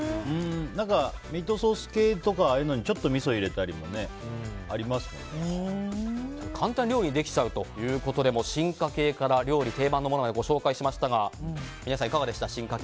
何か、ミートソース系とかにちょっとみそを入れたりとかも簡単に料理できちゃうということで進化形から定番のものまで料理をご紹介しましたが皆さん、いかがでした？